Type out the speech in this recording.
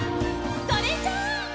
それじゃあ。